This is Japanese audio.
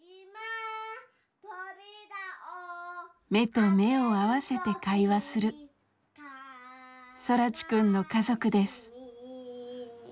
目と目を合わせて会話する空知くんの家族です。